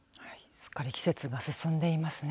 すっかり季節が進んでいますね。